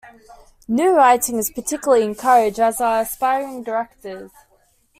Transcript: New writing is particularly encouraged, as are aspiring directors.